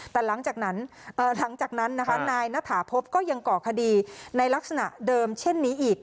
แต่หลังจากนั้นนะคะนายณฐาพบก็ยังก่อคดีในลักษณะเดิมเช่นนี้อีก